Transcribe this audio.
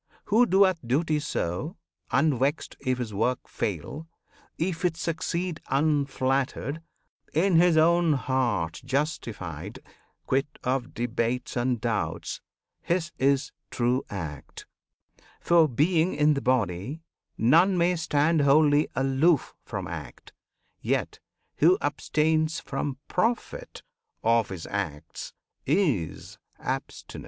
Who doeth duties so, Unvexed if his work fail, if it succeed Unflattered, in his own heart justified, Quit of debates and doubts, his is "true" act: For, being in the body, none may stand Wholly aloof from act; yet, who abstains From profit of his acts is abstinent.